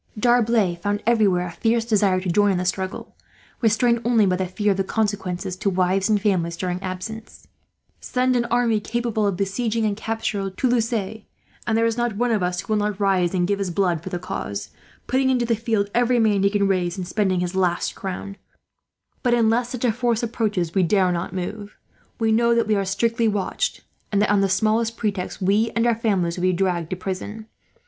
D'Arblay found everywhere a fierce desire to join in the struggle, restrained only by the fear of the consequences to wives and families, during absence. "Send an army capable of besieging and capturing Toulouse, and there is not one of us who will not rise and give his blood for the cause, putting into the field every man he can raise, and spending his last crown; but unless such a force approaches, we dare not move. We know that we are strictly watched and that, on the smallest pretext, we and our families would be dragged to prison.